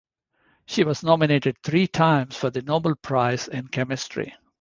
She was nominated three times for the Nobel Prize in Chemistry.